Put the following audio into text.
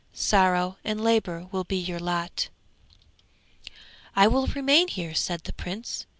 Sorrow and labour will be your lot.' 'I will remain here!' said the Prince.